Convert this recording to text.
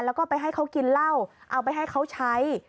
แล้วก็ไปให้เขากินเหล้าเอาไปให้เขาใช้